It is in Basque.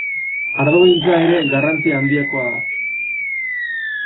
Ardogintza ere garrantzi handikoa da.